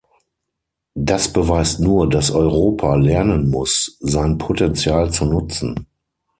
Das beweist nur, dass Europa lernen muss, sein Potenzial zu nutzen.